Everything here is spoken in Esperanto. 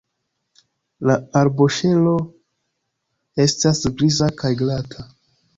La arboŝelo estas griza kaj glata.